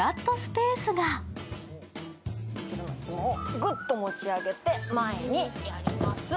グッと持ち上げて前にやります。